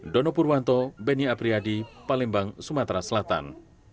dono purwanto beni apriyadi palembang sumatera selatan